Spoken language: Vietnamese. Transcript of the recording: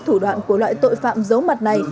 thủ đoạn của loại tội phạm giấu mặt này